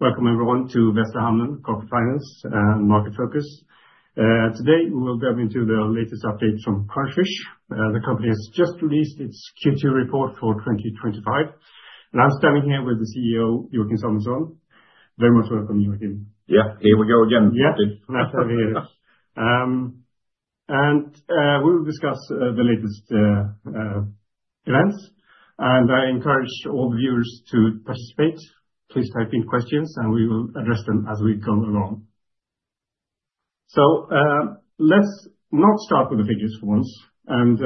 Welcome everyone to Westerhamen Corporate Finance and Market Focus. Today, we'll dive into the latest updates from Crunchfish. The company has just released its Q2 report for 2025. I'm standing here with the CEO, Joachim Samuelsson. Very much welcome, Joachim. Yeah, here we go again. Yep, nice to have you here. We will discuss the latest events. I encourage all the viewers to participate. Please type in questions, and we will address them as we go along. Let's not start with the biggest ones, and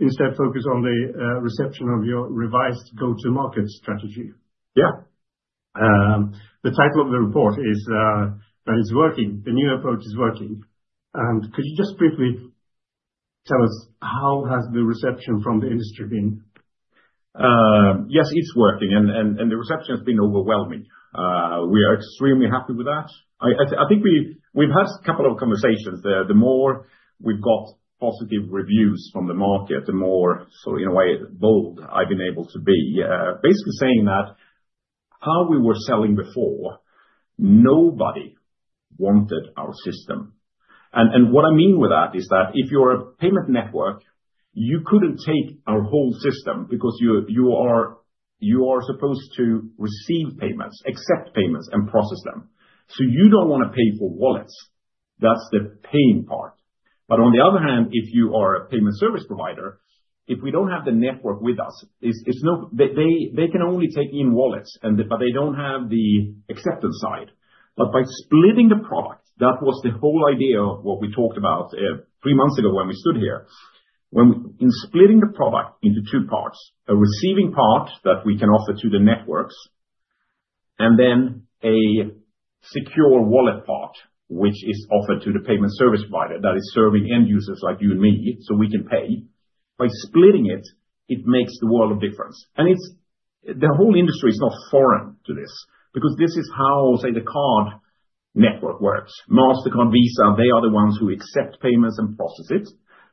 instead focus on the reception of your revised go-to-market strategy. Yeah. The title of the report is, "That is working. The new approach is working." Could you just briefly tell us how has the reception from the industry been? Yes, it's working. The reception has been overwhelming. We are extremely happy with that. I think we've had a couple of conversations there. The more we've got positive reviews from the market, the more, in a way, bold I've been able to be. Basically saying that how we were selling before, nobody wanted our system. What I mean with that is that if you're a payment network, you couldn't take our whole system because you are supposed to receive payments, accept payments, and process them. You don't want to pay for wallets. That's the paying part. On the other hand, if you are a payment service provider, if we don't have the network with us, they can only take in wallets, but they don't have the acceptance side. By splitting the product, that was the whole idea of what we talked about three months ago when we stood here. In splitting the product into two parts, a receiving part that we can offer to the networks, and then a secure wallet part, which is offered to the payment service provider that is serving end users like you and me, so we can pay. By splitting it, it makes the world of difference. The whole industry is not foreign to this because this is how, say, the card network works. Mastercard, Visa, they are the ones who accept payments and process it.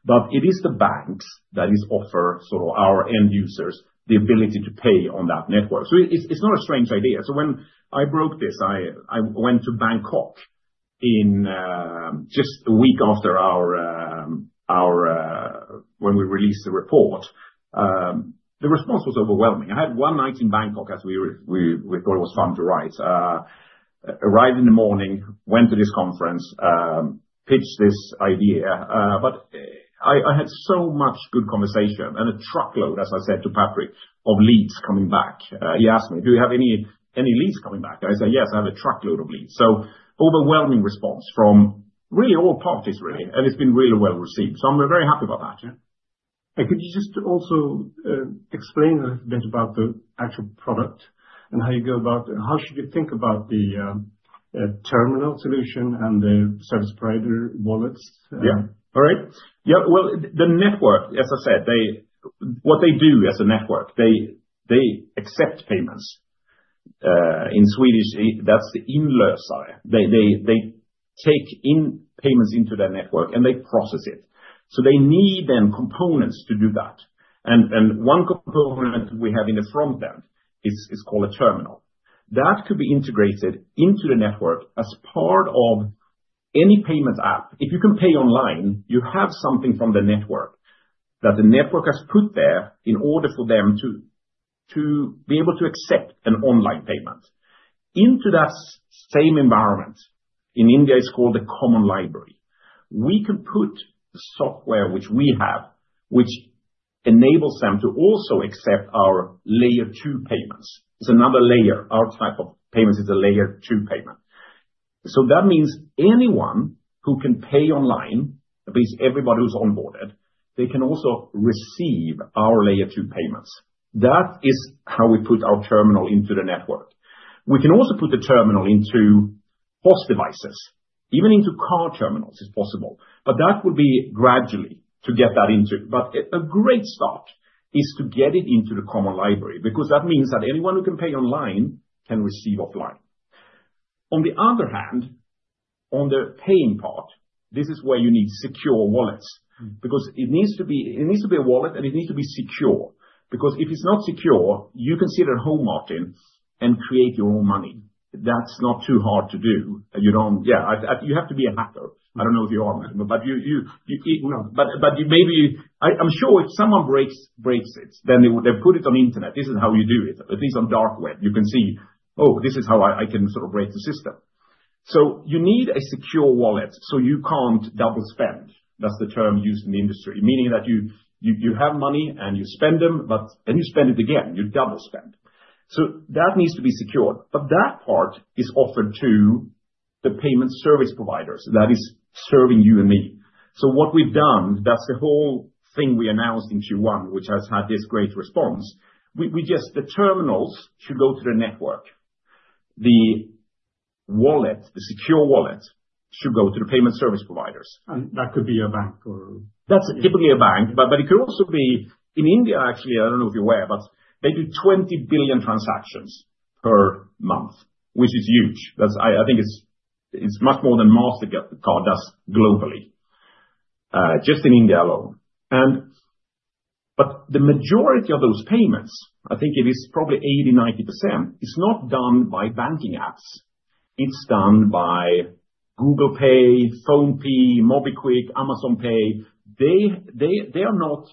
It is the banks that offer sort of our end users the ability to pay on that network. It's not a strange idea. When I broke this, I went to Bangkok just a week after when we released the report. The response was overwhelming. I had one night in Bangkok, as we thought it was fun to write. Arrived in the morning, went to this conference, pitched this idea. I had so much good conversation and a truckload, as I said to Patrick, of leads coming back. He asked me, "Do you have any leads coming back?" I said, "Yes, I have a truckload of leads." Overwhelming response from really all parties, really. It's been really well received. I'm very happy about that. Yeah. Could you just also explain a little bit about the actual product and how you go about it? How should you think about the terminal solution and the service provider wallets? Yeah. All right. Yeah. The network, as I said, what they do as a network, they accept payments. In Swedish, that's the inlösare. They take in payments into their network and they process it. They need components to do that. One component we have in the front end is called a terminal. That could be integrated into the network as part of any payment app. If you can pay online, you have something from the network that the network has put there in order for them to be able to accept an online payment. Into that same environment, in India, it's called the common library. We can put software, which we have, which enables them to also accept our layer two payments. It's another layer. Our type of payment is a layer two payment. That means anyone who can pay online, that means everybody who's onboarded, they can also receive our layer two payments. That is how we put our terminal into the network. We can also put the terminal into host devices. Even into car terminals is possible. That would be gradually to get that into. A great start is to get it into the common library because that means that anyone who can pay online can receive offline. On the other hand, on the paying part, this is where you need secure wallets because it needs to be a wallet and it needs to be secure. If it's not secure, you can sit at home, Martin, and create your own money. That's not too hard to do. You don't, yeah, you have to be a hacker. I don't know if you are, Martin, but you maybe, I'm sure if someone breaks it, then they would put it on the internet. This is how you do it. At least on dark web, you can see, oh, this is how I can sort of break the system. You need a secure wallet so you can't double spend. That's the term used in the industry, meaning that you have money and you spend them, but then you spend it again. You double spend. That needs to be secured. That part is offered to the payment service providers that are serving you and me. What we've done, that's the whole thing we announced in Q1, which has had this great response. The terminals should go to the network. The wallet, the secure wallet, should go to the payment service providers. Could that be a bank or? That's typically a bank, but it could also be, in India, actually, I don't know if you're aware, but they do 20 billion transactions per month, which is huge. I think it's much more than Mastercard does globally, just in India alone. The majority of those payments, I think it is probably 80, 90%, is not done by banking apps. It's done by Google Pay, PhonePe, Mobikwik, Amazon Pay. They're not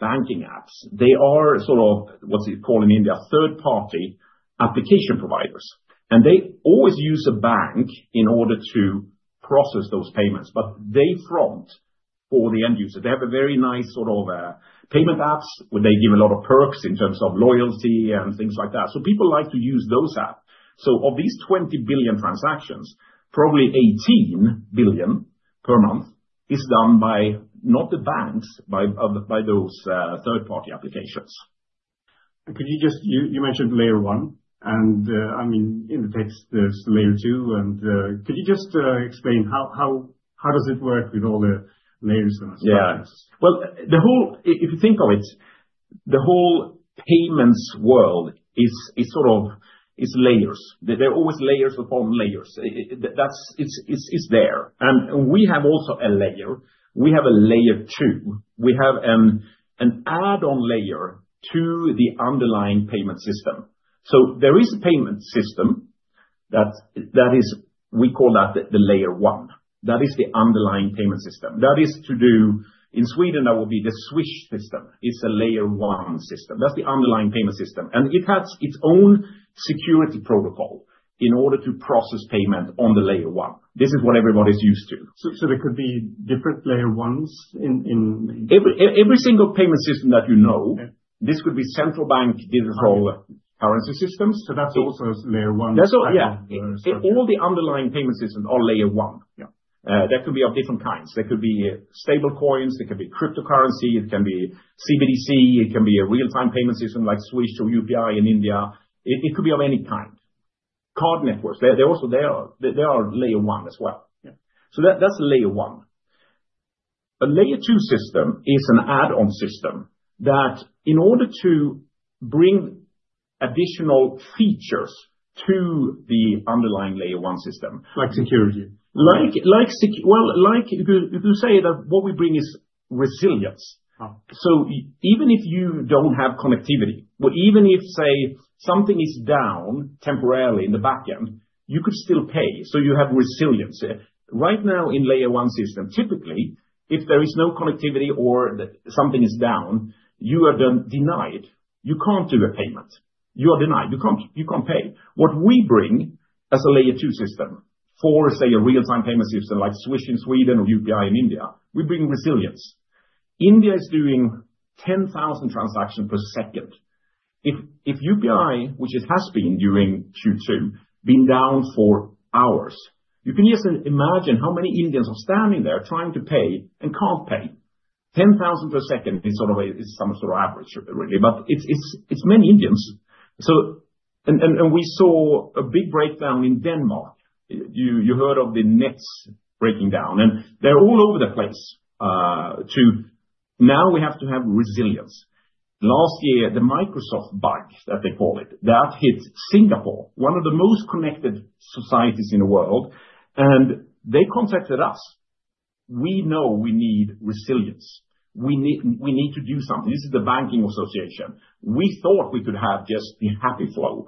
banking apps. They are sort of, what's it called in India, third-party application providers. They always use a bank in order to process those payments, but they front for the end user. They have a very nice sort of payment app where they give a lot of perks in terms of loyalty and things like that. People like to use those apps. Of these 20 billion transactions, probably 18 billion per month is done by not the banks, by those third-party applications. Can you just, you mentioned layer one, and I mean, in the text, there's layer two. Could you just explain how does it work with all the layers and the? Yeah. If you think of it, the whole payments world is sort of, it's layers. There are always layers upon layers. It's there. We have also a layer. We have a layer two. We have an add-on layer to the underlying payment system. There is a payment system that is, we call that the layer one. That is the underlying payment system. That is to do, in Sweden, that would be the Swish system. It's a layer one system. That's the underlying payment system. It has its own security protocol in order to process payment on the layer one. This is what everybody's used to. There could be different layer ones in? Every single payment system that you know, this could be central bank digital currency systems. That's also a layer one? Yeah. All the underlying payment systems are layer one. That could be of different kinds. There could be stablecoins, it could be cryptocurrency, it can be CBDC, it can be a real-time payment system like Swish or UPI in India. It could be of any kind. Card networks, they're also there, they are layer one as well. That's a layer one. A layer two system is an add-on system that, in order to bring additional features to the underlying layer one system. Like security? Like security, you could say that what we bring is resilience. Even if you don't have connectivity, or even if something is down temporarily in the back end, you could still pay. You have resilience. Right now, in layer one system, typically, if there is no connectivity or something is down, you are then denied. You can't do a payment. You are denied. You can't pay. What we bring as a layer two system for, say, a real-time payment system like Swish in Sweden or UPI in India, we bring resilience. India is doing 10,000 transactions per second. If UPI, which it has been during Q2, has been down for hours, you can just imagine how many Indians are standing there trying to pay and can't pay. 10,000 per second is some sort of average, really. It's many Indians. We saw a big breakdown in Denmark. You heard of the Nets breaking down. They're all over the place. Now we have to have resilience. Last year, the Microsoft bug, that they call it, hit Singapore, one of the most connected societies in the world. They contacted us. We know we need resilience. We need to do something. This is the banking association. We thought we could have just happy flow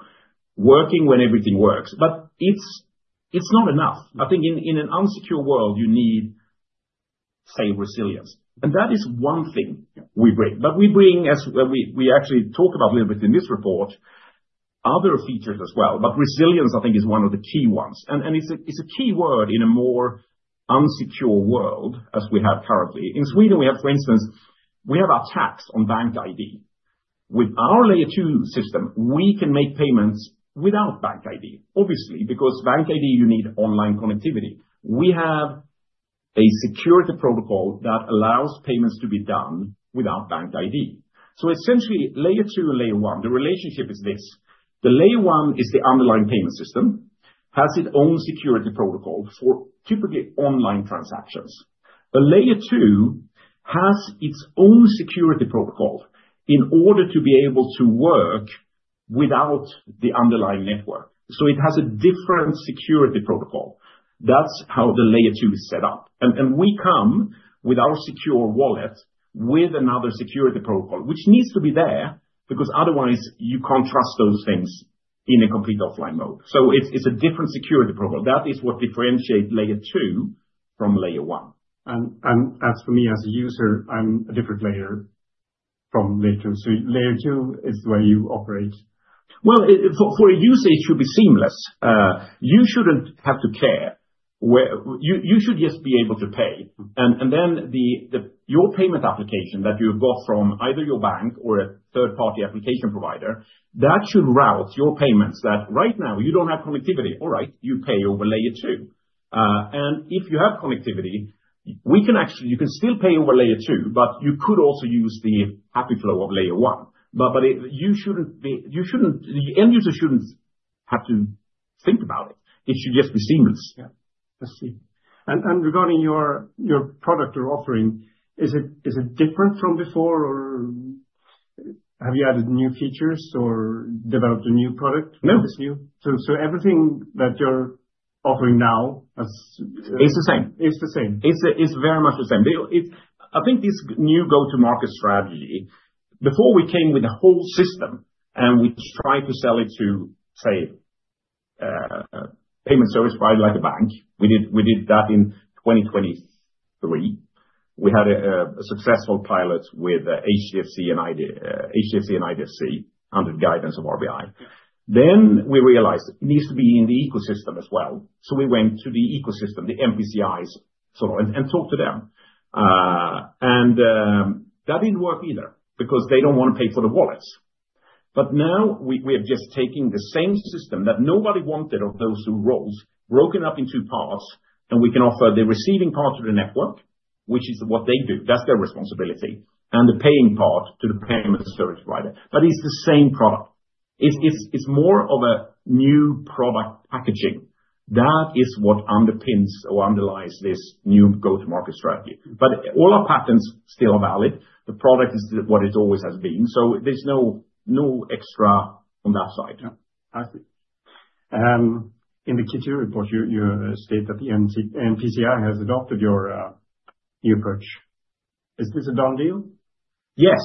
working when everything works. It's not enough. I think in an unsecure world, you need resilience. That is one thing we bring. As we actually talk about a little bit in this report, we bring other features as well. Resilience, I think, is one of the key ones. It's a key word in a more unsecure world as we have currently. In Sweden, for instance, we have our tax on bank ID. With our layer two system, we can make payments without bank ID, obviously, because bank ID, you need online connectivity. We have a security protocol that allows payments to be done without bank ID. Essentially, layer two and layer one, the relationship is this. The layer one is the underlying payment system, has its own security protocol for typically online transactions. A layer two has its own security protocol in order to be able to work without the underlying network. It has a different security protocol. That's how the layer two is set up. We come with our secure wallet with another security protocol, which needs to be there because otherwise, you can't trust those things in a complete offline mode. It's a different security protocol. That is what differentiates layer two from layer one. As for me, as a user, I'm a different player from layer two. Layer two is where you operate. For a user, it should be seamless. You shouldn't have to care. You should just be able to pay. Your payment application that you've got from either your bank or a third-party application provider should route your payments. Right now, you don't have connectivity. All right, you pay over layer two. If you have connectivity, you can still pay over layer two, but you could also use the happy flow of layer one. You shouldn't, the end user shouldn't have to think about it. It should just be seamless. I see. Regarding your product you're offering, is it different from before or have you added new features or developed a new product? No. Everything that you're offering now is the same. It's the same. It's very much the same. I think this new go-to-market strategy, before we came with a whole system and we tried to sell it to, say, payment service providers like a bank, we did that in 2023. We had a successful pilot with HDFC and IDFC under guidance of RBI. We realized it needs to be in the ecosystem as well. We went to the ecosystem, the NPCI, and talked to them. That didn't work either because they don't want to pay for the wallets. Now we're just taking the same system that nobody wanted of those two roles, broken up into parts, and we can offer the receiving part to the network, which is what they do. That's their responsibility, and the paying part to the payment service provider. It's the same product. It's more of a new product packaging. That is what underpins or underlies this new go-to-market strategy. All our patents still are valid. The product is what it always has been. There's no extra on that side. Yeah, I see. In the Q2 report, you state that the NPCI has adopted your new approach. Is this a done deal? Yes,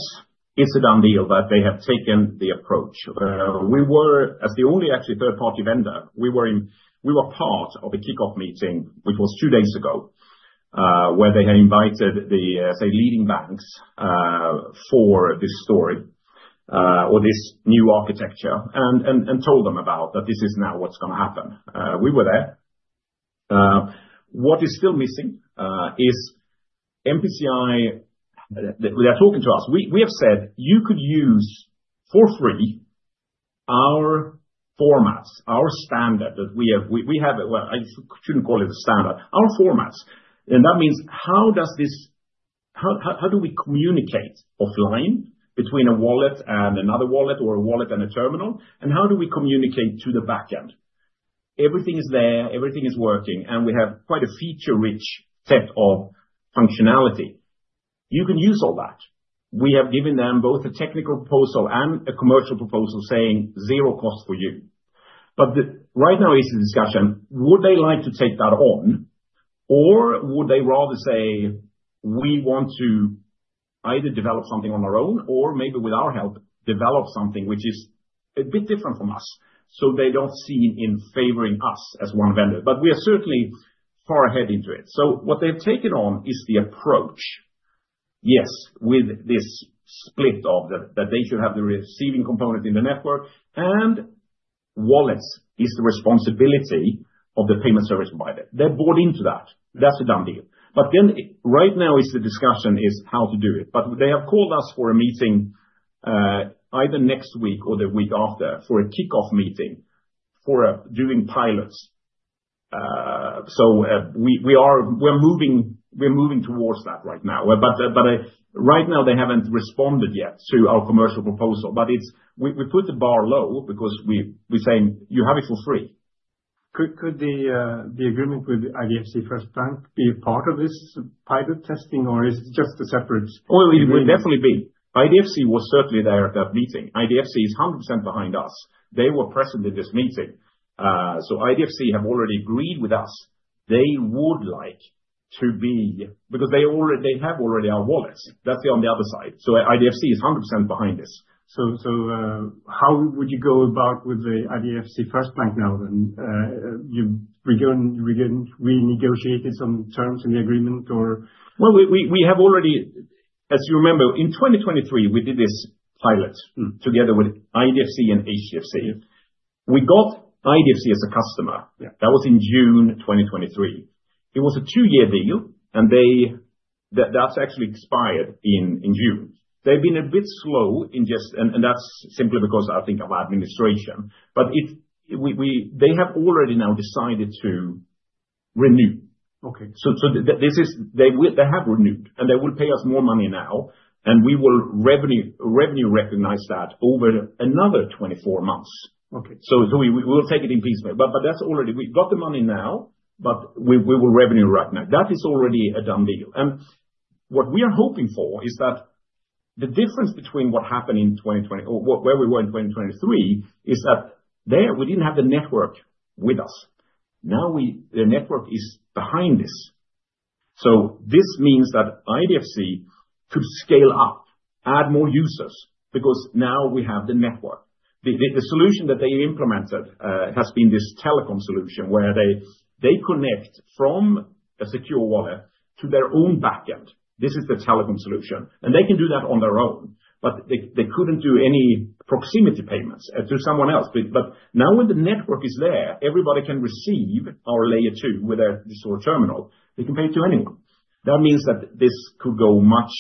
it's a done deal, but they have taken the approach. We were, as the only, actually, third-party vendor, we were in, we were part of a kickoff meeting, which was two days ago, where they had invited the, say, leading banks for this story or this new architecture and told them about that this is now what's going to happen. We were there. What is still missing is NPCI, they're talking to us. We have said, "You could use for free our formats, our standard that we have." I shouldn't call it a standard, our formats. That means how does this, how do we communicate offline between a wallet and another wallet or a wallet and a terminal? How do we communicate to the backend? Everything is there. Everything is working. We have quite a feature-rich set of functionality. You can use all that. We have given them both a technical proposal and a commercial proposal saying zero cost for you. Right now is the discussion, would they like to take that on or would they rather say, "We want to either develop something on our own or maybe with our help, develop something which is a bit different from us?" They don't see in favoring us as one vendor. We are certainly far ahead into it. What they've taken on is the approach. Yes, with this split of that they should have the receiving component in the network and wallets is the responsibility of the payment service provider. They're bought into that. That's a done deal. Right now is the discussion is how to do it. They have called us for a meeting either next week or the week after for a kickoff meeting for doing pilots. We are moving towards that right now. Right now, they haven't responded yet to our commercial proposal. We put the bar low because we're saying, "You have it for free. Could the agreement with IDFC FIRST Bank be a part of this pilot testing, or is it just a separate? Oh, it would definitely be. IDFC was certainly there at that meeting. IDFC is 100% behind us. They were present in this meeting. IDFC have already agreed with us. They would like to be because they already have already our wallets. That's on the other side. IDFC is 100% behind this. How would you go about with the IDFC FIRST Bank now then? You renegotiated some terms in the agreement or? As you remember, in 2023, we did this pilot together with IDFC and HDFC. We got IDFC as a customer. That was in June 2023. It was a two-year deal and that's actually expired in June. They've been a bit slow in just, and that's simply because I think of our administration. They have already now decided to renew. Okay. They have renewed and they will pay us more money now, and we will revenue recognize that over another 24 months. Okay. We'll take it in piecemeal. That's already, we've got the money now, but we will revenue right now. That is already a done deal. What we are hoping for is that the difference between what happened in 2020 or where we were in 2023 is that there we didn't have the network with us. Now the network is behind this. This means that IDFC could scale out, add more users because now we have the network. The solution that they implemented has been this telecom solution where they connect from a secure wallet to their own backend. This is the telecom solution, and they can do that on their own. They couldn't do any proximity payments to someone else. Now when the network is there, everybody can receive our layer two with a store terminal. They can pay to anyone. That means that this could go much.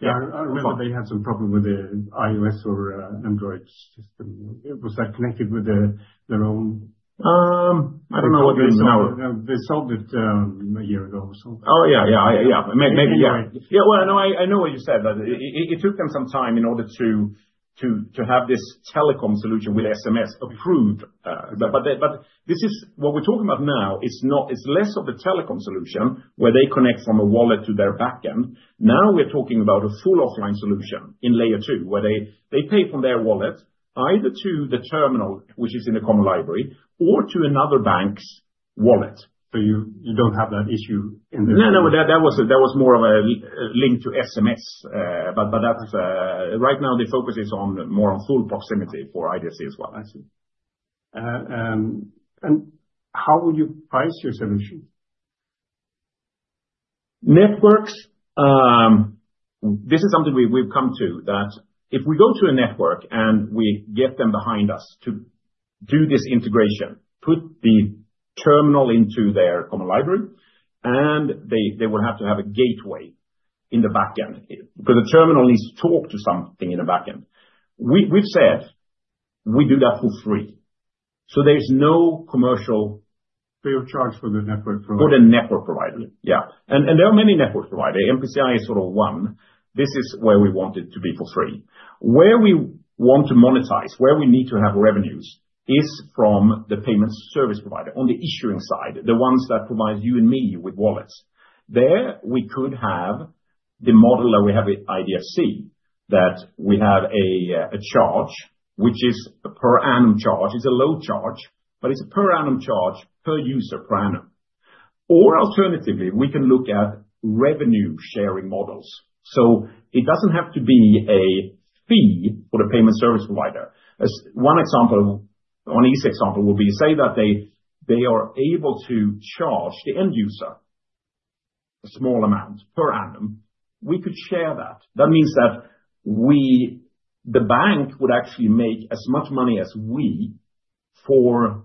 Yeah, I remember they had some problem with the iOS or Android system. Was that connected with their own? I don't know what it is now. They solved it a year ago. Yeah, I know what you said, that it took them some time in order to have this telecom solution with SMS approved. This is what we're talking about now. It's less of a telecom solution where they connect from a wallet to their backend. Now we're talking about a full offline solution in layer two where they pay from their wallet either to the terminal, which is in the common library, or to another bank's wallet. You don't have that issue in the. No, that was more of a link to SMS. That was right now the focus is more on full proximity for IDFC as well. I see. How will you price your solution? Networks, this is something we've come to, that if we go to a network and we get them behind us to do this integration, put the terminal into their common library, they will have to have a gateway in the backend because the terminal needs to talk to something in the backend. We've said we do that for free, so there's no commercial. Free of charge for the network provider. For the network provider, yeah. There are many network providers. National Payments Corporation of India is sort of one. This is where we want it to be for free. Where we want to monetize, where we need to have revenues, is from the payment service provider on the issuing side, the ones that provide you and me with wallets. There we could have the model that we have with IDFC, that we have a charge, which is a per annum charge. It's a low charge, but it's a per annum charge per user per annum. Alternatively, we can look at revenue sharing models. It doesn't have to be a fee for the payment service provider. One example, an easy example would be, say that they are able to charge the end user a small amount per annum. We could share that. That means that the bank would actually make as much money as we for.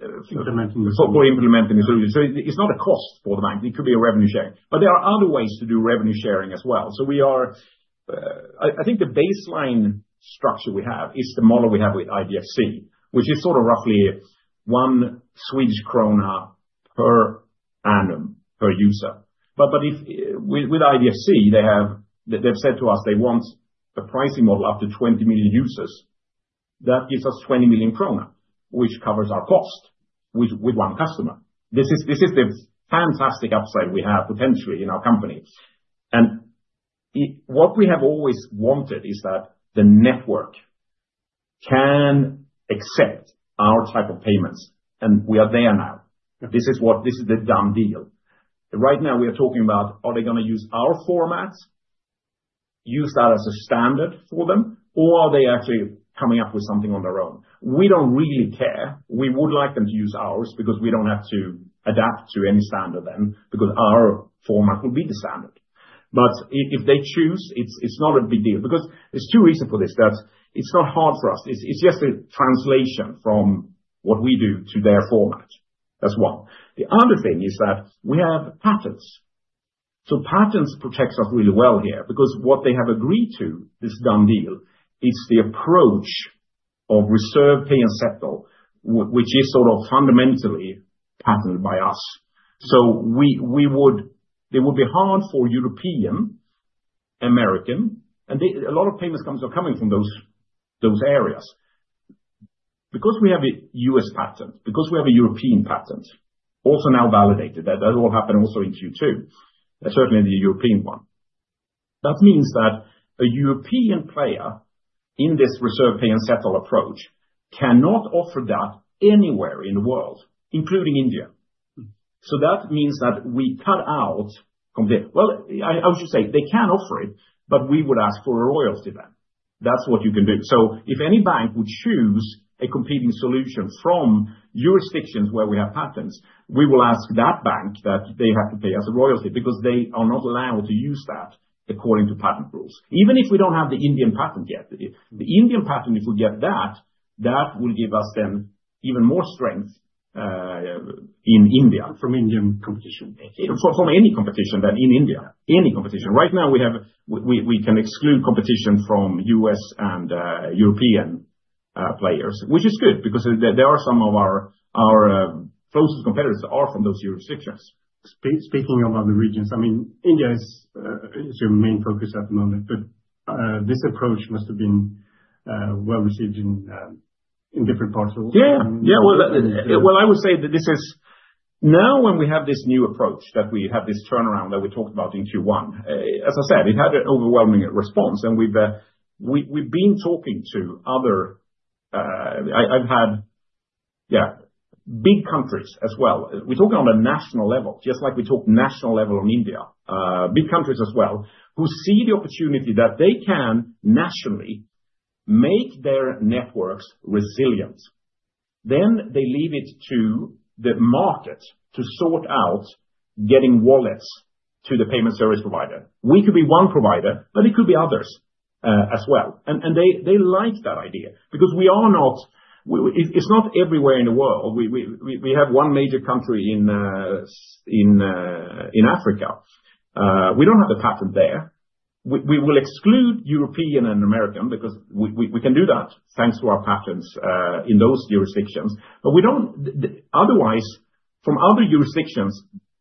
Implementing the solution. For implementing the solution, it's not a cost for the bank. It could be a revenue sharing. There are other ways to do revenue sharing as well. I think the baseline structure we have is the model we have with IDFC, which is roughly 1 Swedish krona per annum per user. With IDFC, they have said to us they want a pricing model up to 20 million users. That gives us 20 million krona, which covers our cost with one customer. This is the fantastic upside we have potentially in our company. What we have always wanted is that the network can accept our type of payments, and we are there now. This is the done deal. Right now, we are talking about whether they are going to use our formats, use that as a standard for them, or if they are actually coming up with something on their own. We don't really care. We would like them to use ours because we don't have to adapt to any standard then, because our format would be the standard. If they choose, it's not a big deal because there are two reasons for this. It's not hard for us. It's just a translation from what we do to their format. That's one. The other thing is that we have patents. Patents protect us really well here because what they have agreed to, this done deal, it's the approach of reserve, pay, and settle, which is fundamentally patented by us. It would be hard for European, American, and a lot of payments companies are coming from those areas. Because we have a U.S. patent, because we have a European patent, also now validated, that will happen also in Q2, certainly in the European one. That means that a European player in this reserve, pay, and settle approach cannot offer that anywhere in the world, including India. That means that we cut out from this. I would just say they can offer it, but we would ask for a royalty then. That's what you can do. If any bank would choose a competing solution from jurisdictions where we have patents, we will ask that bank that they have to pay us a royalty because they are not allowed to use that according to patent rules. Even if we don't have the Indian patent yet, the Indian patent, if we get that, that will give us even more strength in India. From Indian competition? From any competition in India. Any competition. Right now, we can exclude competition from U.S. and European players, which is good because there are some of our closest competitors that are from those jurisdictions. Speaking about the regions, I mean, India is your main focus at the moment, but this approach must have been well received in different parts of the world. Yeah, yeah. I would say that this is now when we have this new approach, that we have this turnaround that we talked about in Q1. As I said, we've had an overwhelming response and we've been talking to other big countries as well. We're talking on a national level, just like we talked national level on India. Big countries as well who see the opportunity that they can nationally make their networks resilient. They leave it to the market to sort out getting wallets to the payment service provider. We could be one provider, but it could be others as well. They like that idea because we are not, it's not everywhere in the world. We have one major country in Africa. We don't have a patent there. We will exclude European and American because we can do that thanks to our patents in those jurisdictions. Otherwise, from other jurisdictions,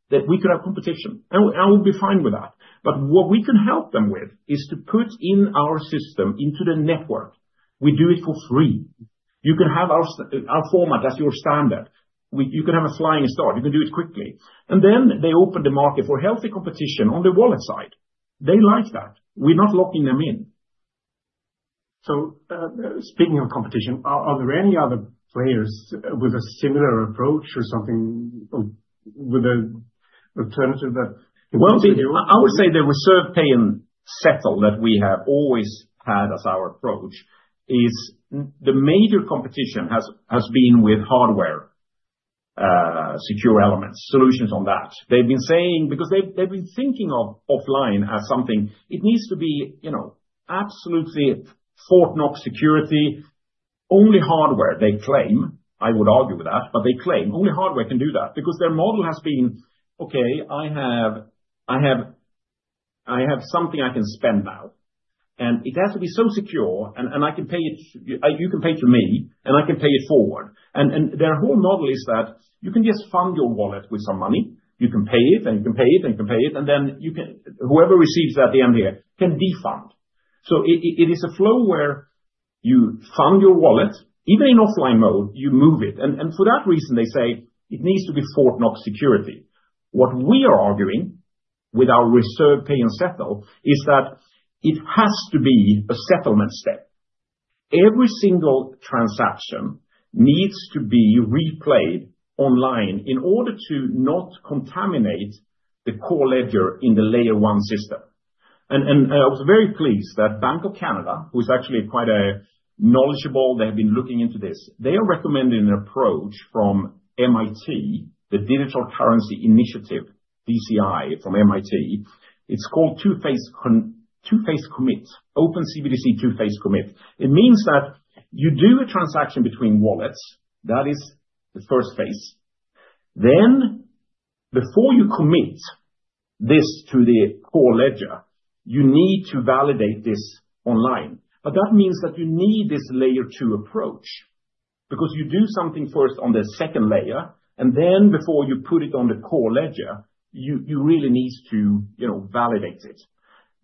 we could have competition. I would be fine with that. What we can help them with is to put in our system into the network. We do it for free. You can have our format as your standard. You can have a sliding start. You can do it quickly. They open the market for healthy competition on the wallet side. They like that. We're not locking them in. Speaking of competition, are there any other players with a similar approach or something with an alternative that? The reserve, pay, and settle that we have always had as our approach is the major competition. It has been with hardware, secure element solutions on that. They've been saying, because they've been thinking of offline as something, it needs to be, you know, absolutely Fort Knox security. Only hardware, they claim—I would argue with that—but they claim only hardware can do that because their model has been, "Okay, I have something I can spend now. And it has to be so secure and I can pay it, you can pay to me, and I can pay it forward." Their whole model is that you can just fund your wallet with some money. You can pay it, and you can pay it, and you can pay it. Then whoever receives that at the end here can defund. It is a flow where you fund your wallet, even in offline mode, you move it. For that reason, they say it needs to be Fort Knox security. What we are arguing with our reserve, pay, and settle is that it has to be a settlement step. Every single transaction needs to be replayed online in order to not contaminate the core ledger in the layer one system. I was very pleased that Bank of Canada, who is actually quite knowledgeable, they have been looking into this. They are recommending an approach from MIT, the Digital Currency Initiative, DCI from MIT. It's called two-phase commit, OpenCBDC two-phase commit. It means that you do a transaction between wallets. That is the first phase. Then before you commit this to the core ledger, you need to validate this online. That means that you need this layer two approach because you do something first on the second layer, and then before you put it on the core ledger, you really need to validate it.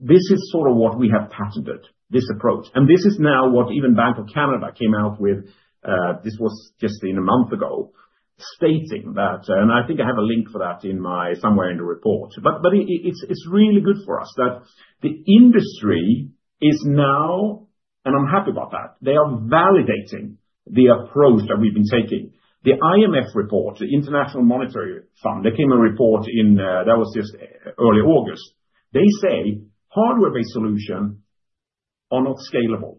This is sort of what we have patented, this approach. This is now what even Bank of Canada came out with. This was just a month ago, stating that, and I think I have a link for that somewhere in the report. It's really good for us that the industry is now, and I'm happy about that, they are validating the approach that we've been taking. The IMF report, the International Monetary Fund, they came with a report in that was just early August. They say hardware-based solutions are not scalable.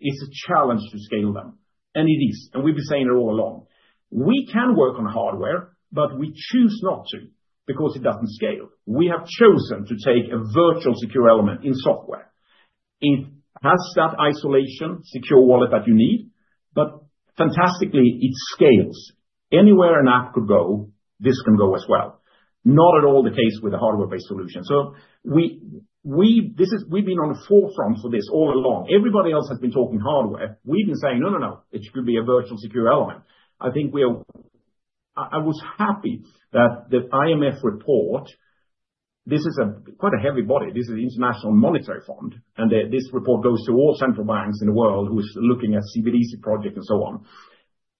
It's a challenge to scale them, and it is. We've been saying it all along. We can work on hardware, but we choose not to because it doesn't scale. We have chosen to take a virtual secure element in software. It has that isolation, secure wallet that you need, but fantastically, it scales. Anywhere an app could go, this can go as well. Not at all the case with a hardware-based solution. We've been on the forefront for this all along. Everybody else has been talking hardware. We've been saying, no, no, no, it should be a virtual secure element. I was happy that the IMF report, this is quite a heavy body. This is the International Monetary Fund. This report goes to all central banks in the world who are looking at CBDC projects and so on.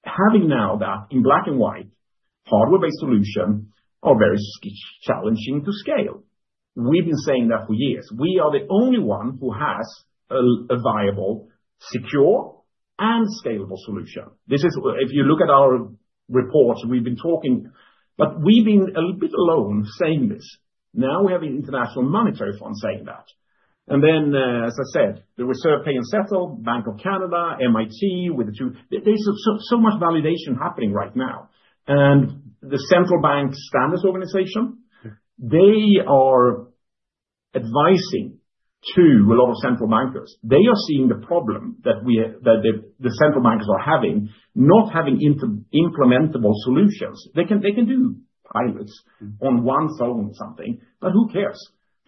Having now that in black and white, hardware-based solutions are very challenging to scale. We've been saying that for years. We are the only one who has a viable, secure, and scalable solution. If you look at our reports, we've been talking, but we've been a little bit alone saying this. Now we have the International Monetary Fund saying that. As I said, the Reserve, Pay, and Settle, Bank of Canada, MIT, with the two-phase, there's so much validation happening right now. The Central Bank Standards Organization, they are advising to a lot of central bankers. They are seeing the problem that the central bankers are having, not having implementable solutions. They can do hybrids on one phone or something, but who cares?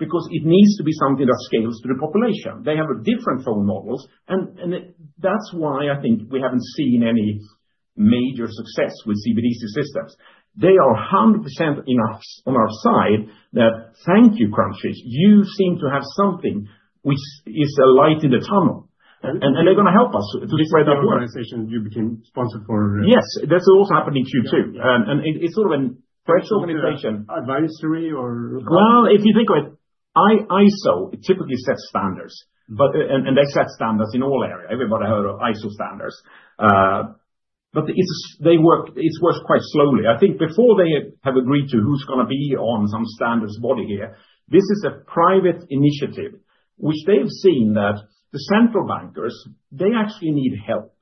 It needs to be something that scales to the population. They have different phone models. That's why I think we haven't seen any major success with CBDC systems. They are 100% on our side that, thank you, Crunchfish. You seem to have something which is a light in the tunnel. They're going to help us to get to that. Organization you became sponsored for. Yes, that's also happening to you too. It's sort of a fresh organization. Advisory or? If you think of it, ISO typically sets standards, and they set standards in all areas. Everybody heard of ISO standards, but it works quite slowly. I think before they have agreed to who's going to be on some standards body here, this is a private initiative, which they have seen that the central bankers actually need help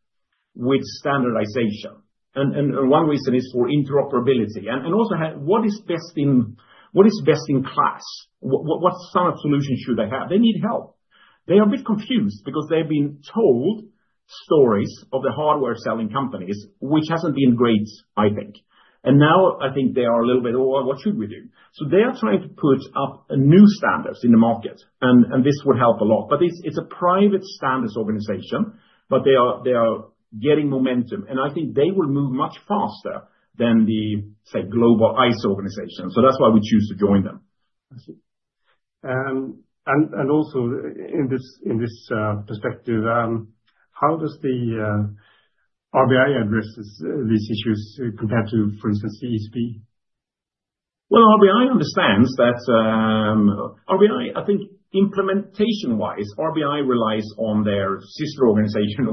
with standardization. One reason is for interoperability, and also, what is best in class? What smart solution should they have? They need help. They are a bit confused because they've been told stories of the hardware selling companies, which hasn't been great, I think. I think they are a little bit, "Oh, what should we do?" They are trying to put up new standards in the market, and this would help a lot. It's a private standards organization, but they are getting momentum. I think they will move much faster than the global ISO organization. That's why we choose to join them. I see. In this perspective, how does the RBI address these issues compared to, for instance, the ECB? RBI understands that, I think, implementation-wise, the RBI relies on their sister organization.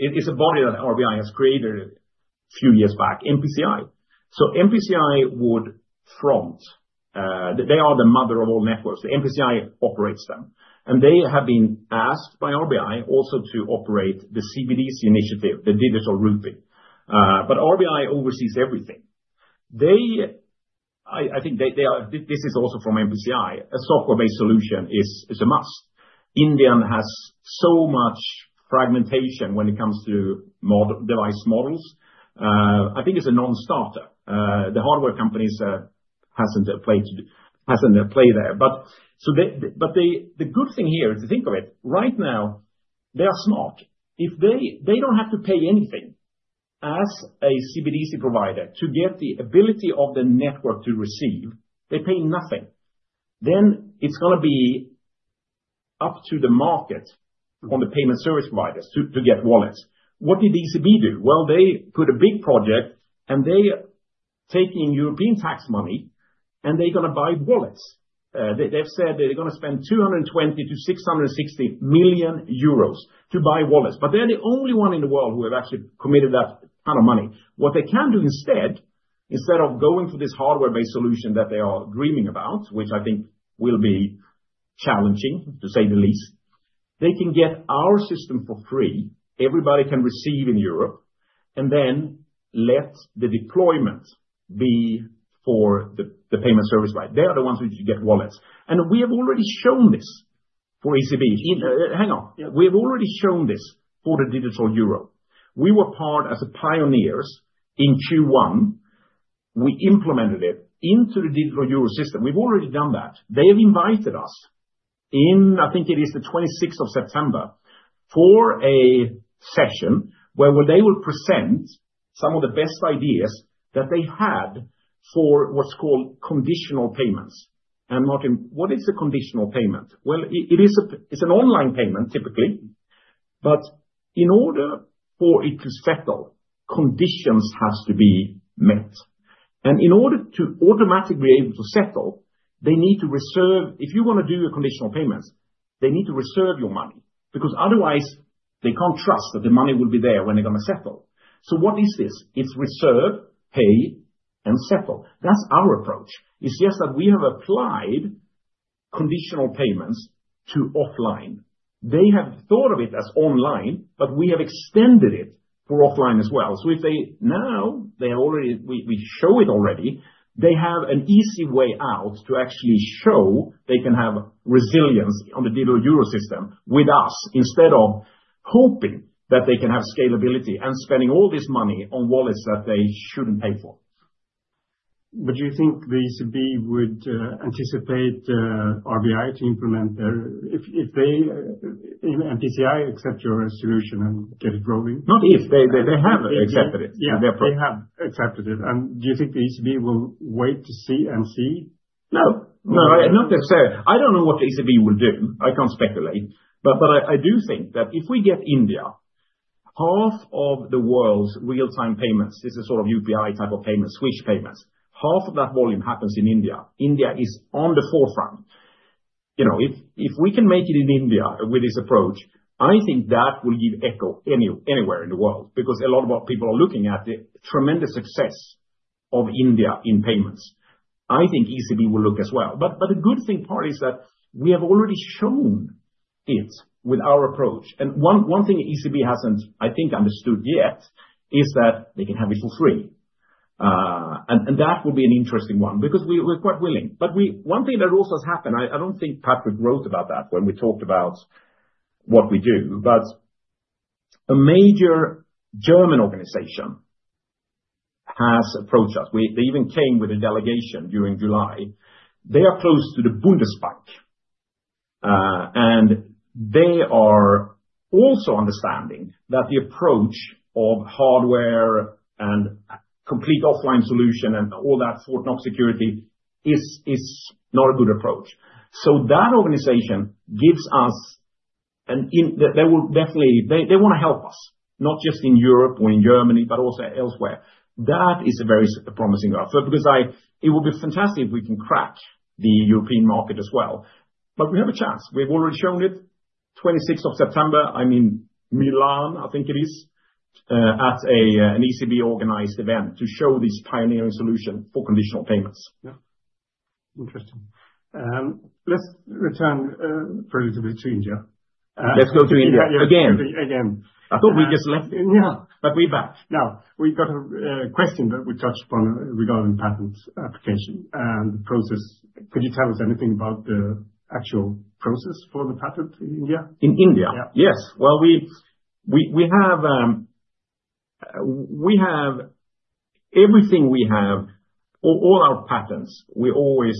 It is a body that the RBI has created a few years back, the NPCI. NPCI would front. They are the mother of all networks. The NPCI operates them, and they have been asked by the RBI also to operate the CBDC initiative, the digital roofing. The RBI oversees everything. I think this is also from the NPCI. A software-based solution is a must. India has so much fragmentation when it comes to device models. I think it is a non-starter. The hardware companies have not played there. The good thing here is to think of it. Right now, they are smart. If they do not have to pay anything as a CBDC provider to get the ability of the network to receive, they pay nothing. It is going to be up to the market on the payment service providers to get wallets. What did the ECB do? They put a big project and they are taking European tax money and they are going to buy wallets. They have said that they are going to spend 220 million-660 million euros to buy wallets. They are the only one in the world who have actually committed that kind of money. What they can do instead, instead of going to this hardware-based solution that they are dreaming about, which I think will be challenging, to say the least, they can get our system for free. Everybody can receive in Europe, and then let the deployment be for the payment service provider. They are the ones who get wallets. We have already shown this for the ECB. Hang on. We have already shown this for the digital euro. We were part as pioneers in Q1. We implemented it into the digital euro system. We have already done that. They have invited us in, I think it is the 26th of September, for a session where they will present some of the best ideas that they had for what is called conditional payments. Martin, what is a conditional payment? It is an online payment, typically. In order for it to settle, conditions have to be met. In order to automatically be able to settle, they need to reserve, if you are going to do a conditional payment, they need to reserve your money because otherwise, they cannot trust that the money will be there when they are going to settle. What is this? It is reserve, pay, and settle. That is our approach. It is just that we have applied conditional payments to offline. They have thought of it as online, but we have extended it for offline as well. If they now, they have already, we show it already, they have an easy way out to actually show they can have resilience on the digital euro system with us instead of hoping that they can have scalability and spending all this money on wallets that they should not pay for. Would you think the ECB would anticipate the RBI to implement their, if they, if NCPI, accept your solution and get it rolling? Not if they have accepted it. Yeah, they have accepted it. Do you think the ECB will wait to see and see? No, no, not necessarily. I don't know what the ECB will do. I can't speculate. I do think that if we get India, half of the world's real-time payments, this is sort of UPI type of payments, Swish payments, half of that volume happens in India. India is on the forefront. If we can make it in India with this approach, I think that will give echo anywhere in the world because a lot of people are looking at the tremendous success of India in payments. I think the ECB will look as well. The good part is that we have already shown it with our approach. One thing the ECB hasn't, I think, understood yet is that they can have it for free. That will be an interesting one because we're quite willing. One thing that also has happened, I don't think Patrick wrote about that when we talked about what we do, a major German organization has approached us. They even came with a delegation during July. They are close to the Bundesbank. They are also understanding that the approach of hardware and complete offline solution and all that Fort Knox security is not a good approach. That organization gives us, and they will definitely, they want to help us, not just in Europe or in Germany, but also elsewhere. That is a very promising offer. It would be fantastic if we can crack the European market as well. We have a chance. We've already shown it. 26th of September, I mean, Milan, I think it is, at a ECB-organized event to show this pioneering solution for conditional payments. Yeah, interesting. Let's return for a little bit to India. Let's go to India again. Again. I thought we just left. Yeah. We're back. Now, we've got a question that we touched upon regarding patent application and the process. Could you tell us anything about the actual process for the patent in India? In India? Yeah. Yes. We have everything, we have all our patents, we always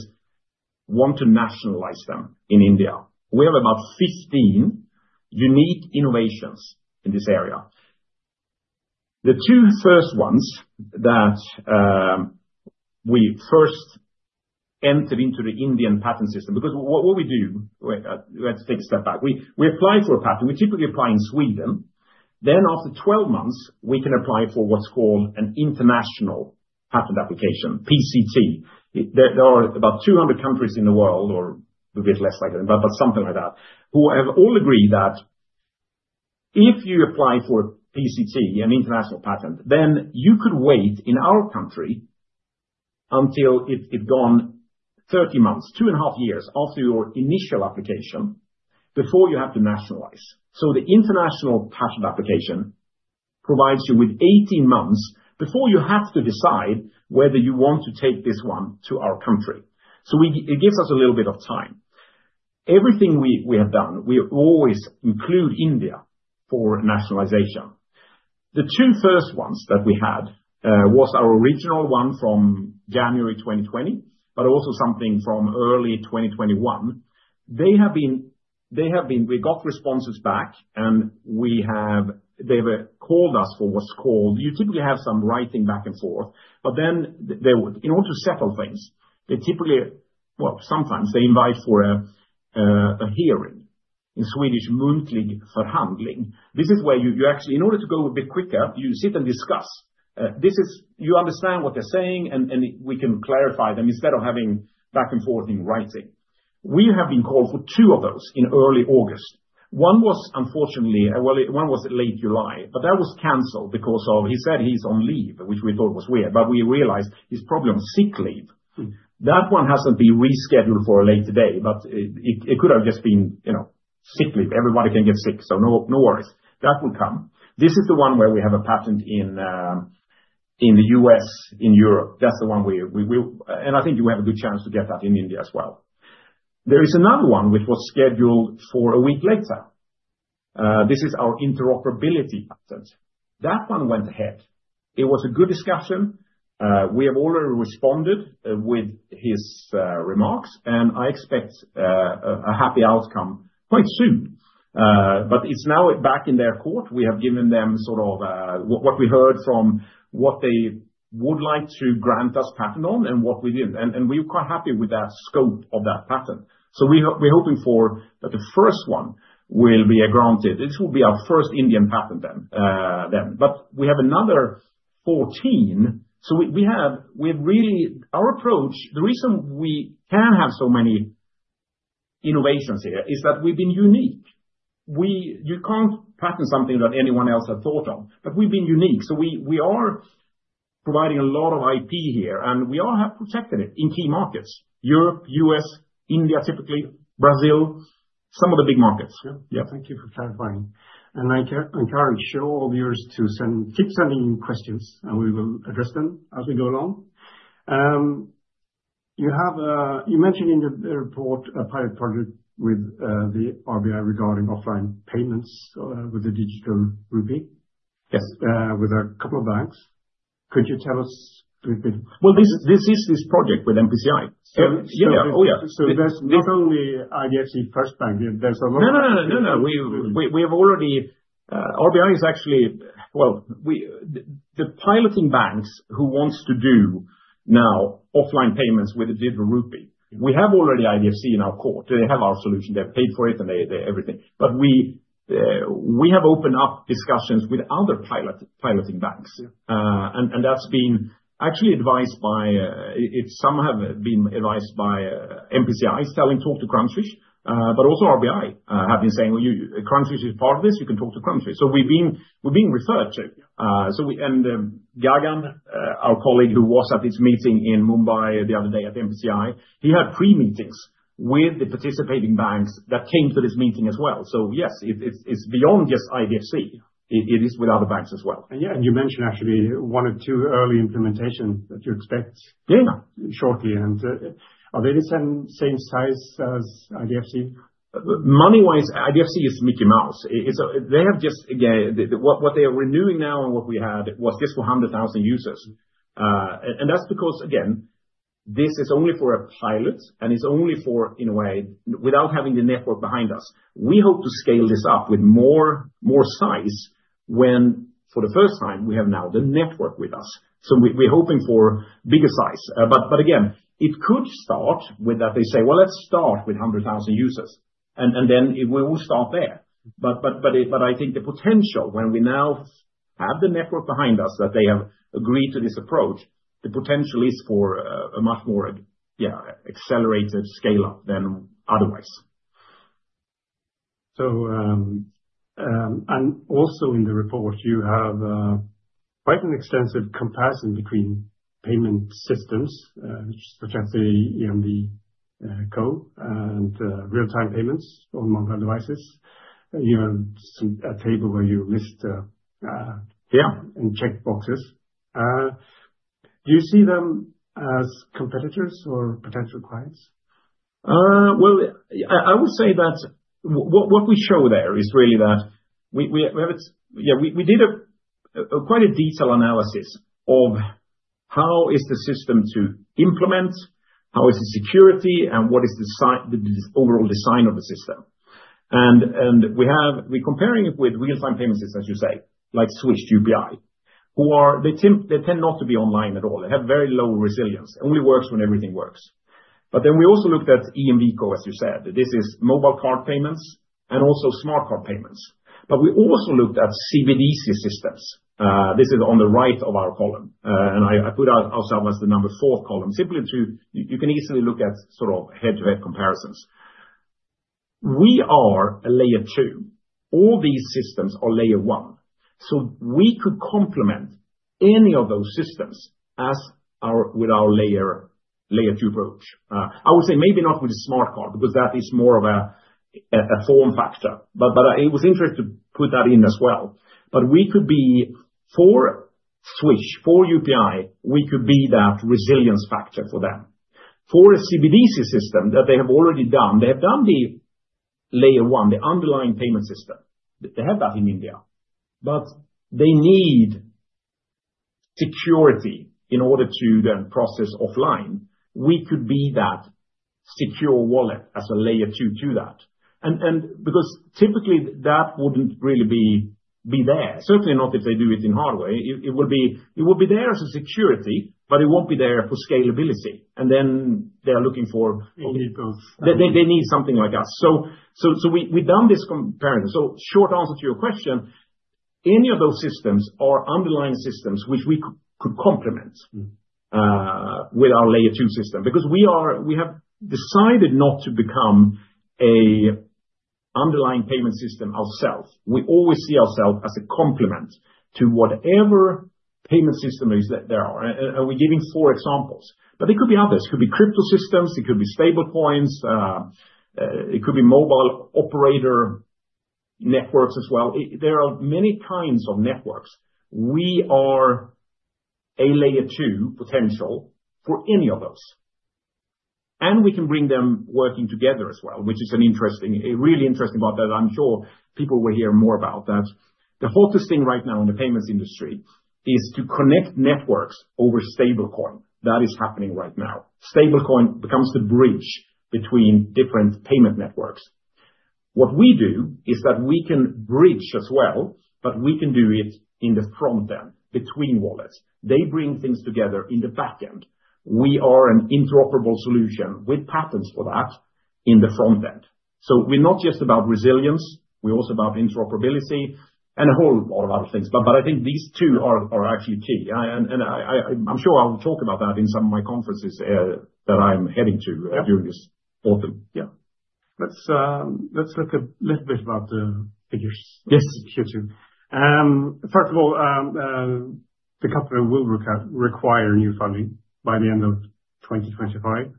want to nationalize them in India. We have about 15 unique innovations in this area. The two first ones that we first entered into the Indian patent system, because what we do, let's take a step back. We apply for a patent. We typically apply in Sweden. Then after 12 months, we can apply for what's called an international patent application, PCT. There are about 200 countries in the world, or a bit less like that, but something like that, who have all agreed that if you apply for a PCT, an international patent, then you could wait in our country until it's gone 30 months, two and a half years after your initial application before you have to nationalize. The international patent application provides you with 18 months before you have to decide whether you want to take this one to our country. It gives us a little bit of time. Everything we have done, we always include India for nationalization. The two first ones that we had were our original one from January 2020, but also something from early 2021. They have been, we got responses back and they have called us for what's called, you typically have some writing back and forth. In order to settle things, they typically, sometimes they invite for a hearing, in Swedish, monthly for handling. This is where you actually, in order to go a bit quicker, you sit and discuss. You understand what they're saying and we can clarify them instead of having back and forth in writing. We have been called for two of those in early August. One was unfortunately, one was in late July, but that was canceled because he said he's on leave, which we thought was weird, but we realized his problem is sick leave. That one hasn't been rescheduled for a later day, but it could have just been sick leave. Everybody can get sick, so no worries. That will come. This is the one where we have a patent in the U.S., in Europe. That's the one we, and I think you have a good chance to get that in India as well. There is another one which was scheduled for a week later. This is our interoperability patent. That one went ahead. It was a good discussion. We have already responded with his remarks and I expect a happy outcome quite soon. It's now back in their court. We have given them sort of what we heard from what they would like to grant us patent on and what we didn't. We're quite happy with the scope of that patent. We're hoping that the first one will be granted. This will be our first Indian patent. We have another 14. Our approach, the reason we can have so many innovations here, is that we've been unique. You can't patent something that anyone else had thought of, but we've been unique. We are providing a lot of IP here and we are protecting it in key markets: Europe, U.S., India typically, Brazil, some of the big markets. Thank you for clarifying. I encourage all viewers to keep sending questions and we will address them as we go along. You mentioned in the report a pilot project with the RBI regarding offline payments with the digital rupee. Yes. With a couple of banks, could you tell us a little bit? This is this project with NPCI. Yeah, oh yeah. There's not only IDFC FIRST Bank. There's a lot of. We have already, RBI is actually, well, the piloting banks who want to do now offline payments with a digital rupee. We have already IDFC in our court. They have our solution. They've paid for it and everything. We have opened up discussions with other piloting banks. That's been actually advised by, some have been advised by the NPCI saying, talk to Crunchfish. The RBI has been saying, "Crunchfish is part of this. You can talk to Crunchfish." We've been referred to. Gagan, our colleague who was at this meeting in Mumbai the other day at the NPCI, had three meetings with the participating banks that came to this meeting as well. Yes, it's beyond just IDFC. It is with other banks as well. You mentioned actually one or two early implementations that you expect. Yeah. Shortly. Are they the same size as IDFC? Money-wise, IDFC is Mickey Mouse. They have just, again, what they are renewing now and what we had was just for 100,000 users. That's because, again, this is only for a pilot and it's only for, in a way, without having the network behind us. We hope to scale this up with more size when, for the first time, we have now the network with us. We're hoping for bigger size. It could start with that they say, "Let's start with 100,000 users." We will start there. I think the potential, when we now have the network behind us that they have agreed to this approach, the potential is for a much more, yeah, accelerated scale-up than otherwise. Also, in the report, you have quite an extensive comparison between payment systems, which is potentially EMD code and real-time payments on mobile devices. You have a table where you list, yeah, and check boxes. Do you see them as competitors or potential clients? What we show there is really that we have, yeah, we did quite a detailed analysis of how is the system to implement, how is the security, and what is the overall design of the system. We're comparing it with real-time payments, as you say, like Swish, UPI, who are, they tend not to be online at all. They have very low resilience. It only works when everything works. We also looked at EMD codes, as you said. This is mobile card payments and also smart card payments. We also looked at CBDC systems. This is on the right of our column. I put ourselves as the number fourth column, simply to, you can easily look at sort of head-to-head comparisons. We are a layer two. All these systems are layer one. We could complement any of those systems with our layer two approach. I would say maybe not with the smart card because that is more of a form factor. It was interesting to put that in as well. We could be, for Swish, for UPI, we could be that resilience factor for them. For a CBDC system that they have already done, they have done the layer one, the underlying payment system. They have that in India. They need security in order to then process offline. We could be that secure wallet as a layer two to that. Typically that wouldn't really be there, certainly not if they do it in hardware. It will be there as a security, but it won't be there for scalability. They're looking for. You need both. They need something like us. We've done this comparative. Short answer to your question, any of those systems are underlying systems which we could complement with our layer two system because we have decided not to become an underlying payment system ourselves. We always see ourselves as a complement to whatever payment systems there are. We're giving four examples, but there could be others. It could be crypto systems, it could be stablecoins, it could be mobile operator networks as well. There are many kinds of networks. We are a layer two potential for any of those, and we can bring them working together as well, which is a really interesting part that I'm sure people will hear more about. The hottest thing right now in the payments industry is to connect networks over stablecoin. That is happening right now. Stablecoin becomes the bridge between different payment networks. What we do is that we can bridge as well, but we can do it in the front end between wallets. They bring things together in the back end. We are an interoperable solution with patents for that in the front end. We're not just about resilience, we're also about interoperability and a whole lot of other things. I think these two are actually key. I'm sure I'll talk about that in some of my conferences that I'm heading to during this autumn. Yeah. Let's talk a little bit about the figures. Yes. First of all, the company will require new funding by the end of 2025.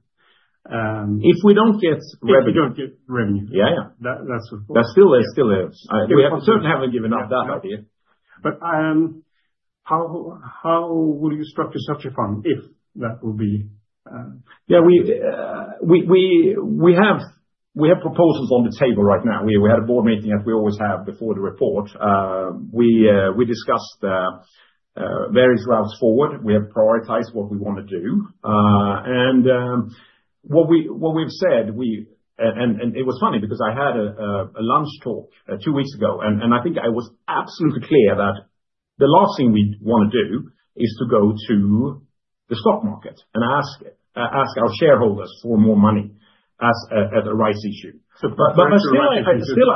If we don't get revenue. If we don't get revenue. Yeah, yeah. That's a bull. There still is. We certainly haven't given up that idea. How will you structure such a fund if that will be? Yeah, we have proposals on the table right now. We had a board meeting as we always have before the report. We discussed the various routes forward. We have prioritized what we want to do. What we've said, and it was funny because I had a lunch talk two weeks ago, and I think I was absolutely clear that the last thing we want to do is to go to the stock market and ask our shareholders for more money as at a rights issue. Still,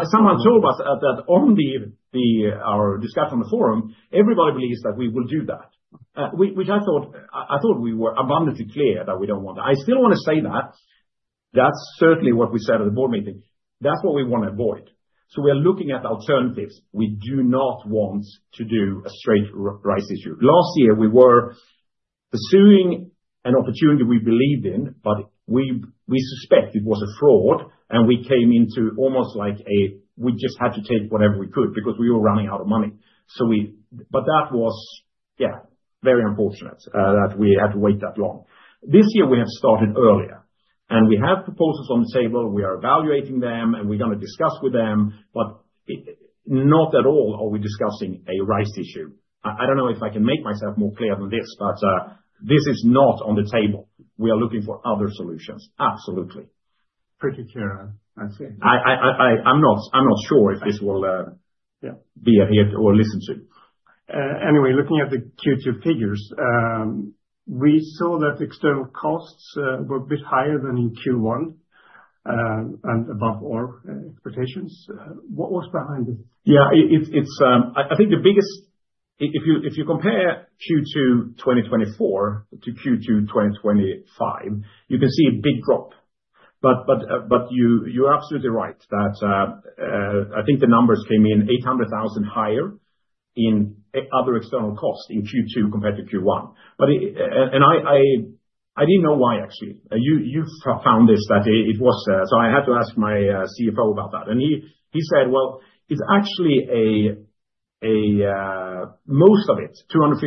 someone told us that on our discussion on the forum, everybody believes that we will do that, which I thought we were abundantly clear that we don't want that. I still want to say that. That's certainly what we said at the board meeting. That's what we want to avoid. We are looking at alternatives. We do not want to do a straight rights issue. Last year, we were pursuing an opportunity we believed in, but we suspect it was a fraud and we came into almost like a, we just had to take whatever we could because we were running out of money. That was very unfortunate that we had to wait that long. This year, we have started earlier. We have proposals on the table. We are evaluating them and we're going to discuss with them. Not at all are we discussing a rights issue. I don't know if I can make myself more clear than this, but this is not on the table. We are looking for other solutions. Absolutely. Pretty clear, I'd say. I'm not sure if this will be adhered to or listened to. Anyway, looking at the Q2 figures, we saw that external costs were a bit higher than in Q1 and above all quotations. What was behind it? Yeah, I think the biggest, if you compare Q2 2024 to Q2 2025, you can see a big drop. You're absolutely right that I think the numbers came in $800,000 higher in other external costs in Q2 compared to Q1. I didn't know why, actually. You found this that it was, so I had to ask my CFO about that. He said it's actually, most of it, $250,000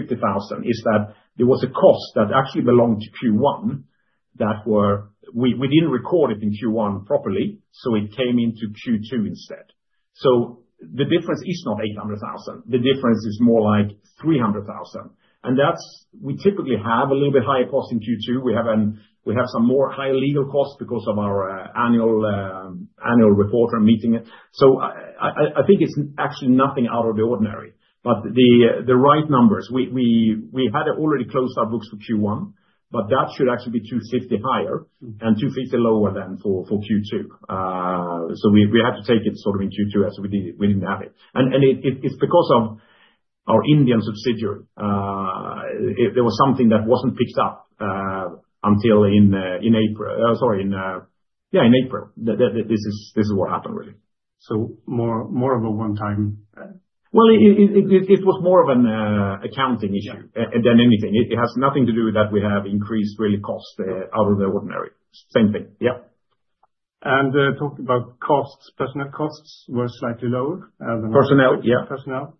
is that it was a cost that actually belonged to Q1 that we didn't record in Q1 properly. It came into Q2 instead. The difference is not $800,000. The difference is more like $300,000. We typically have a little bit higher cost in Q2. We have some more higher legal costs because of our annual report and meeting. I think it's actually nothing out of the ordinary. The right numbers, we had already closed our books for Q1, but that should actually be $250,000 higher and $250,000 lower than for Q2. We had to take it in Q2 as we did. We didn't have it. It's because of our Indian subsidiary. There was something that wasn't picked up until in April. Sorry, yeah, in April. This is what happened, really. More of a one-time. It was more of an accounting issue than anything. It has nothing to do with that we have increased really costs out of the ordinary. Same thing. Yeah. Talking about costs, personnel costs were slightly lower than what. Personnel, yeah. Personnel.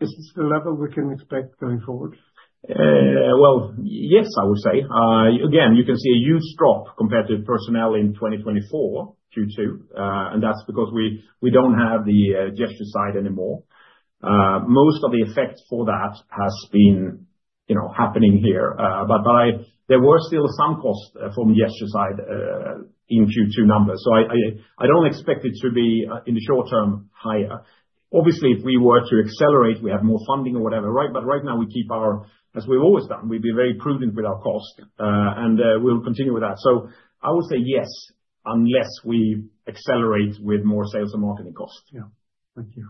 Is this a level we can expect going forward? Yes, I would say. You can see a huge drop compared to personnel in 2024, Q2, and that's because we don't have the gesture technology business anymore. Most of the effects for that have been happening here, but there were still some costs from yesterday's side in Q2 numbers. I don't expect it to be, in the short term, higher. Obviously, if we were to accelerate, we have more funding or whatever, right? Right now, we keep our, as we've always done, we've been very prudent with our cost, and we'll continue with that. I would say yes, unless we accelerate with more sales and marketing costs. Thank you.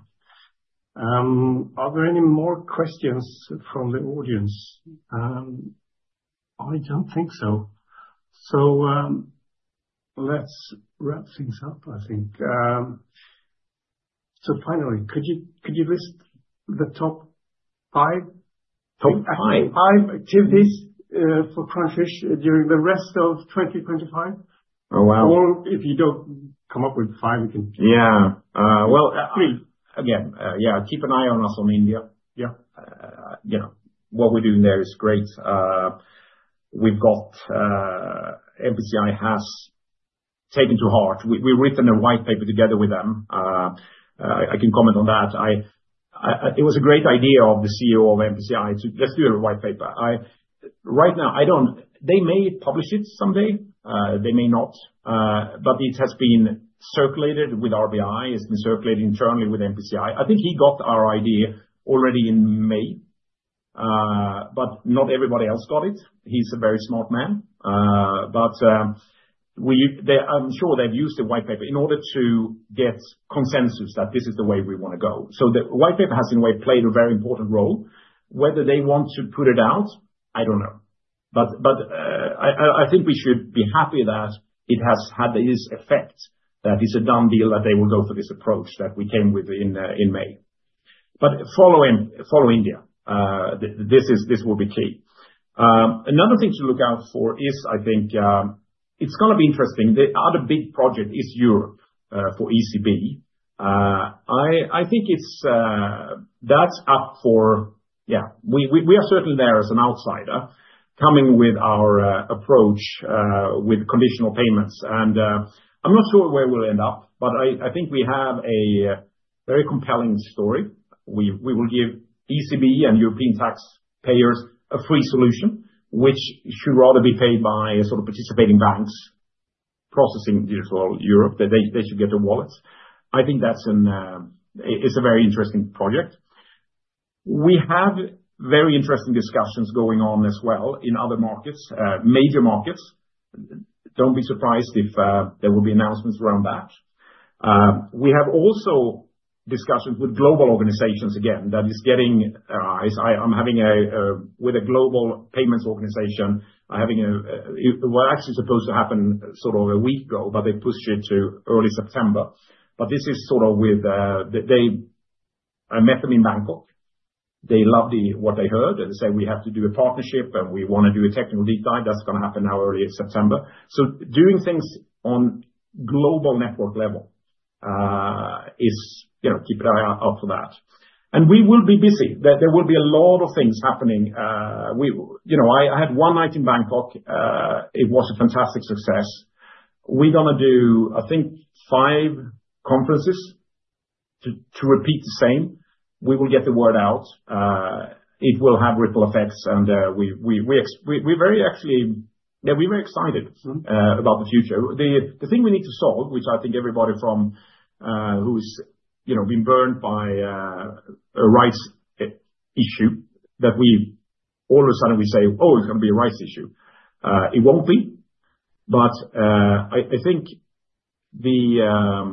Are there any more questions from the audience? I don't think so. Let's wrap things up, I think. Finally, could you list the top five activities for Crunchfish during the rest of 2025? Oh, wow. If you don't come up with five, you can. Yeah, I mean, again, yeah, keep an eye on us on India. Yeah. You know, what we're doing there is great. We've got, NPCI has taken to heart. We've written a white paper together with them. I can comment on that. It was a great idea of the CEO of NPCI to just do a white paper. Right now, I don't, they may publish it someday. They may not. It has been circulated with RBI. It's been circulated internally with NPCI. I think he got our idea already in May. Not everybody else got it. He's a very smart man. I'm sure they've used the white paper in order to get consensus that this is the way we want to go. The white paper has, in a way, played a very important role. Whether they want to put it out, I don't know. I think we should be happy that it has had this effect, that it's a done deal that they will go for this approach that we came with in May. Follow him, follow India. This will be key. Another thing to look out for is, I think, it's going to be interesting. The other big project is Europe for ECB. I think it's, that's up for, yeah, we are certain there as an outsider coming with our approach with conditional payments. I'm not sure where we'll end up, but I think we have a very compelling story. We will give ECB and European taxpayers a free solution, which should rather be paid by sort of participating banks processing for Europe. They should get their wallets. I think that's a very interesting project. We have very interesting discussions going on as well in other markets, major markets. Don't be surprised if there will be announcements around that. We have also discussions with global organizations, again, that is getting, I'm having a, with a global payments organization, I'm having a, what actually is supposed to happen sort of a week ago, but they pushed it to early September. This is sort of with, I met them in Bangkok. They loved what they heard. They said we have to do a partnership and we want to do a technical deep dive. That's going to happen now early in September. Doing things on a global network level is, you know, keep an eye out for that. We will be busy. There will be a lot of things happening. You know, I had one night in Bangkok. It was a fantastic success. We're going to do, I think, five conferences to repeat the same. We will get the word out. It will have ripple effects. We're very, actually, yeah, we're very excited about the future. The thing we need to solve, which I think everybody from who's been burned by a rights issue, that we, all of a sudden, we say, oh, it's going to be a rights issue. It won't be. I think we are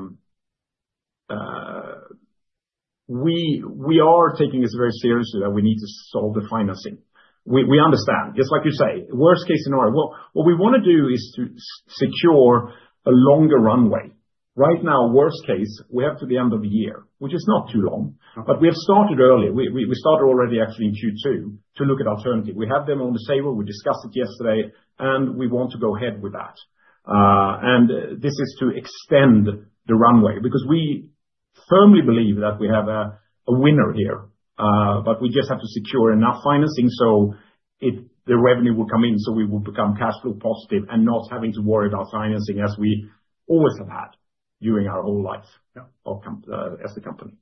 taking this very seriously that we need to solve the financing. We understand, just like you say, worst-case scenario. What we want to do is to secure a longer runway. Right now, worst case, we have to the end of the year, which is not too long. We have started early. We started already actually in Q2 to look at alternatives. We have them on the table. We discussed it yesterday. We want to go ahead with that. This is to extend the runway because we firmly believe that we have a winner here. We just have to secure enough financing so the revenue will come in so we will become cash-flow positive and not having to worry about financing as we always have had during our whole lives as the company.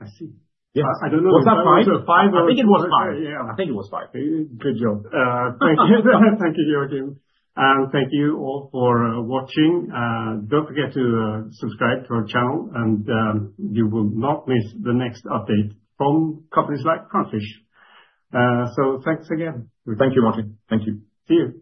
I see. I think it was fine. Good job. Thank you, Joachim. Thank you all for watching. Don't forget to subscribe to our channel, and you will not miss the next update from companies like Crunchfish. Thanks again. Thank you, Martin. Thank you. See you.